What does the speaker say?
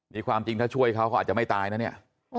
นี่ความจริงถ้าช่วยเขาเขาอาจจะไม่ตายนะเนี่ย